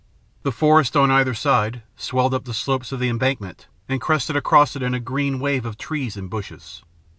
The forest on either side swelled up the slopes of the embankment and crested across it in a green wave of trees and bushes.